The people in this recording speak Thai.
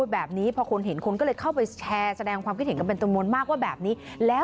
เพราะความเห็นคนก็เลยเข้าไปแชร์แสดงว่ามีผิดเห็นเบ็บนมมากว่าแบบนี้